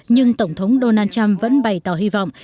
nhưng tổng thống donald trump vẫn bày tỏ hy vọng